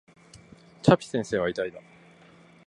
チャピ先生は偉大だ